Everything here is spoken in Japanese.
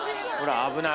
危ない！